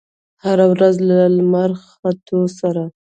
هره ورځ د لمر ختو سره